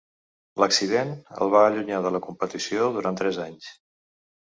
L'accident el va allunyar de la competició durant tres anys.